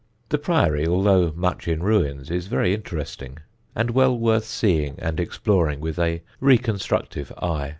The priory, although much in ruins, is very interesting, and well worth seeing and exploring with a reconstructive eye.